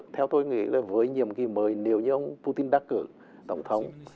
theo tôi nghĩ là với nhiệm kỳ mới nếu như ông putin đắc cử tổng thống